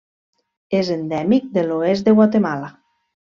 És endèmic de l'oest de Guatemala.